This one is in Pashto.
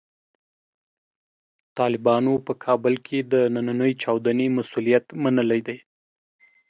طالبانو په کابل کې د نننۍ چاودنې مسوولیت منلی دی.